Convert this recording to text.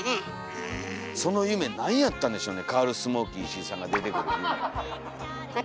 その夢なんやったんでしょうねカールスモーキー石井さんが出てくる夢。